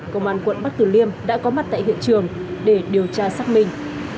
công an quận bắc tử liêm đã có mặt tại hiện trường để điều tra xác minh